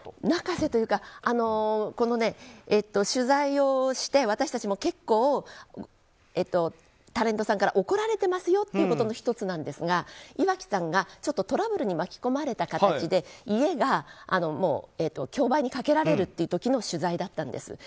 泣かせというか、取材をして私たちも結構タレントさんから怒られてますよということの１つなんですが岩城さんがちょっとトラブルに巻き込まれた形で家がもう競売にかけられる時の取材だったんです。